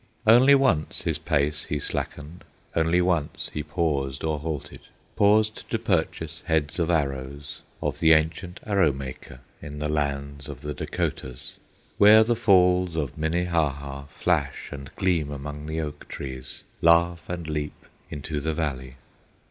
Only once his pace he slackened, Only once he paused or halted, Paused to purchase heads of arrows Of the ancient Arrow maker, In the land of the Dacotahs, Where the Falls of Minnehaha Flash and gleam among the oak trees, Laugh and leap into the valley.